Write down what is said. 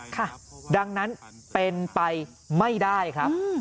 ค่ะดังนั้นเป็นไปไม่ได้ครับ